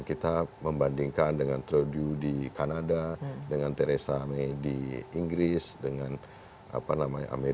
kita membandingkan dengan trudeau di kanada dengan theresa may di inggris dengan amerika dengan perancis macron